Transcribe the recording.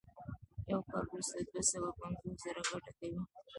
یو کال وروسته دوه سوه پنځوس زره ګټه کوي